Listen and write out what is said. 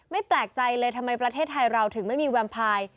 แปลกใจเลยทำไมประเทศไทยเราถึงไม่มีแวมพาย